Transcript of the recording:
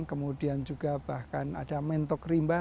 kemudian juga bahkan ada mentok rimba